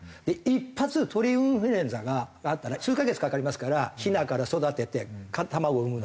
一発鳥インフルエンザがあったら数カ月かかりますからヒナから育てて卵産むのに。